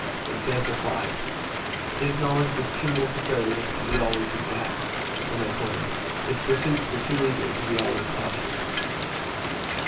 His knowledge was too multifarious to be always exact; his pursuits were too eager to be always cautious.